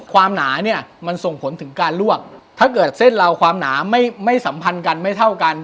หนาเนี่ยมันส่งผลถึงการลวกถ้าเกิดเส้นเราความหนาไม่สัมพันธ์กันไม่เท่ากัน